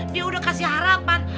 dia udah kasih harapan